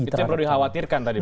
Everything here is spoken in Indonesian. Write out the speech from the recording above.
itu yang perlu dikhawatirkan tadi